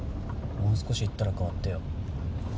もう少し行ったら代わってよ。